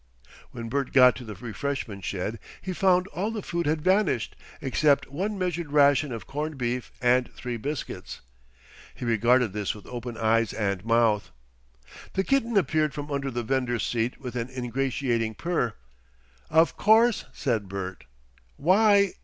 When Bert got to the refreshment shed, he found all the food had vanished except one measured ration of corned beef and three biscuits. He regarded this with open eyes and mouth. The kitten appeared from under the vendor's seat with an ingratiating purr. "Of course!" said Bert. "Why!